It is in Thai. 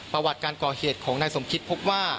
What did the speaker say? ประวัติการก่อเหตุของนายสมคิตพบว่า